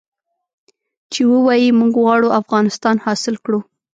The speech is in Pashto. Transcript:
چې ووايي موږ غواړو افغانستان حاصل کړو.